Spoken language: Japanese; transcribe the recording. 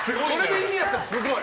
意味あったらすごい。